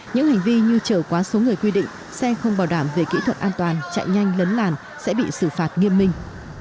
những hành vi như chở quá số người quy định xe không bảo đảm về kỹ thuật an toàn chạy nhanh lấn làn sẽ bị xử phạt nghiêm minh